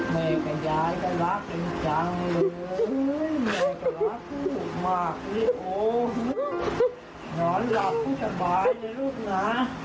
หลอนหลับให้สบายนะลูกนะ